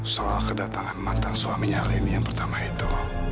soal kedatangan mantan suaminya lenny yang pertama itu